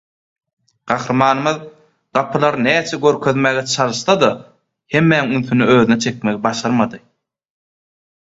Gahrymanymyz gapylary näçe görkezmäge çalyşsa-da hemmäň ünsüni çekmegi başarmady.